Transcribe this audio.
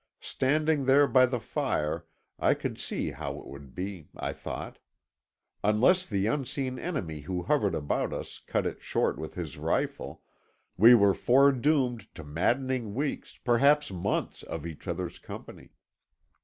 Standing there by the fire I could see how it would be, I thought. Unless the unseen enemy who hovered about us cut it short with his rifle, we were foredoomed to maddening weeks, perhaps months, of each other's company.